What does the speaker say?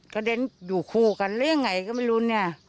เด็นอยู่คู่กันหรือยังไงก็ไม่รู้เนี่ย